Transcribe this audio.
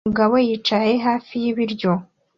Umugabo yicaye hafi y'ibiryo